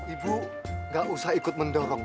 ibu gak usah ikut mendorong